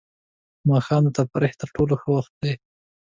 ماښام د تفریح تر ټولو ښه وخت دی.